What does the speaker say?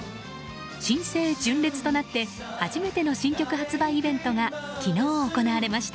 新生・純烈となって初めての新曲発売イベントが昨日行われました。